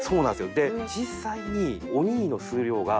で実際に。